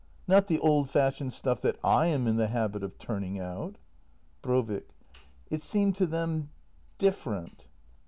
Not the old fashioned stuff that / am in the habit of turning out! Brovik. It seemed to them different.